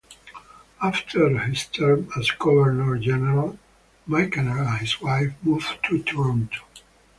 After his term as governor general, Michener and his wife moved to Toronto.